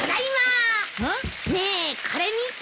ねえこれ見て。